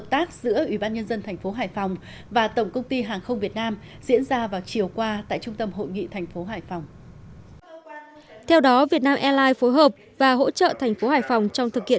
trong phần tin quốc tế